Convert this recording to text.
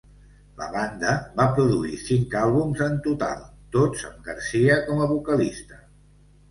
La banda va produir cinc àlbums en total, tots amb Garcia com a vocalista.